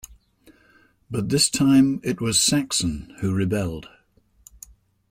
But this time it was Saxon who rebelled.